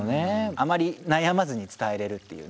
あまり悩まずに伝えれるっていうね